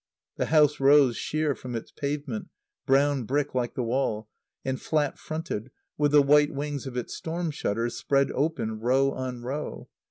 The house rose sheer from its pavement, brown brick like the wall, and flat fronted, with the white wings of its storm shutters spread open, row on row.